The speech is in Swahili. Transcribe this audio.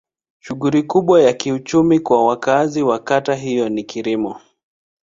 Shughuli kubwa ya kiuchumi kwa wakazi wa kata hiyo ni kilimo.